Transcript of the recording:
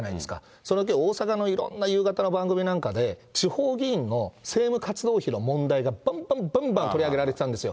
そのとき、大阪のいろんな夕方の番組なんかで、地方議員の政務活動費の問題がばんばんばんばん取り上げられてたんですよ。